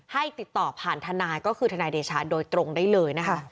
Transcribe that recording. ให้ติดต่อผ่านทนายก็คือทนายเดชาโดยตรงได้เลยนะคะ